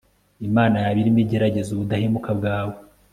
imana yaba irimo igerageza ubudahemuka bwawe